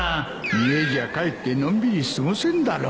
家じゃかえってのんびり過ごせんだろ。